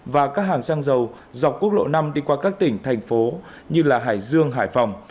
và các hàng xăng dầu dọc quốc lộ năm đi qua các tỉnh thành phố như hải dương hải phòng